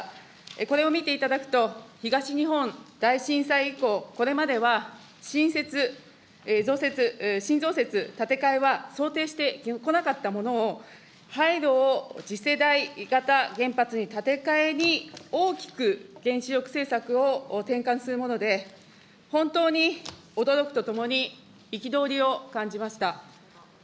これを見ていただくと、東日本大震災以降、これまでは新設、増設、新増設、建て替えは想定してこなかったものを、廃炉を次世代型原発に建て替えに、大きく原子力政策を転換するもので、本当に驚くとともに、憤りを感じました。